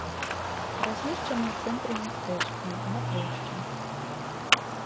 Размешчаны ў цэнтры мястэчка, на плошчы.